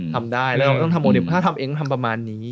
ทำได้ถ้าทำเองต้องทำประมาณนี้